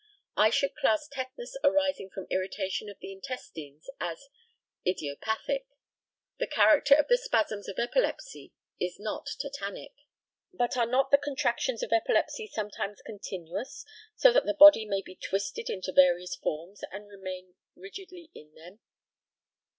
I should class tetanus arising from irritation of the intestines as "idiopathic." The character of the spasms of epilepsy is not tetanic. Not of the spasms; but are not the contractions of epilepsy sometimes continuous, so that the body may be twisted into various forms, and remain rigidly in them?